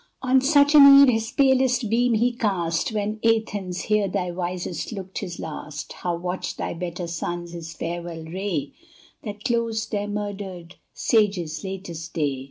On such an eve his palest beam he cast, When, Athens! here thy Wisest looked his last. How watched thy better sons his farewell ray, That closed their murdered sage's latest day!